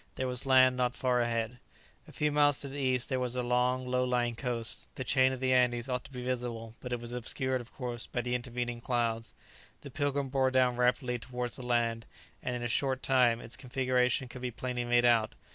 There was land not far ahead. A few miles to the east there was a long low lying coast; the chain of the Andes ought to be visible; but it was obscured, of course, by the intervening clouds. The "Pilgrim" bore down rapidly towards the land, and in a short time its configuration could be plainly made out.